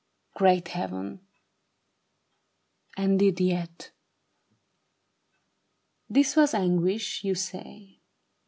Great Heaven ! and did yet. " This was anguish, you say.